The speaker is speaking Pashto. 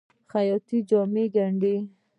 خیاط جامې ګنډي.